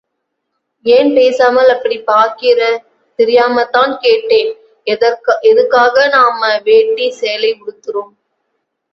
ஏன் பேசாமல் அப்படி பாக்கிற தெரியாமத்தான் கேட்கேன்... எதுக்காக நாம் வேட்டி... சேலை உடுத்துறோம்.